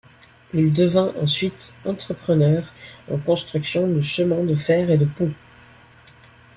Il devint ensuite entrepreneur en construction de chemins de fer et de ponts.